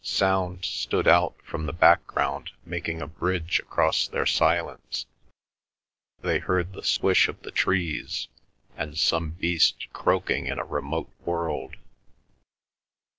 Sounds stood out from the background making a bridge across their silence; they heard the swish of the trees and some beast croaking in a remote world.